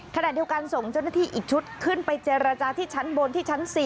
ขณะเดียวกันส่งเจ้าหน้าที่อีกชุดขึ้นไปเจรจาที่ชั้นบนที่ชั้น๔